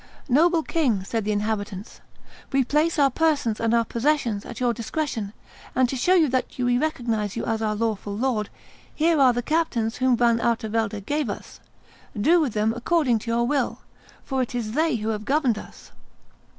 "Noble king," said the inhabitants, "we place our persons and our possessions at your discretion, and to show you that we recognize you as our lawful lord, here are the captains whom Van Artevelde gave us; do with them according to your will, for it is they who have governed us."